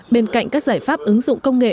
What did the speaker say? bên cạnh các giải pháp ứng dụng công nghệ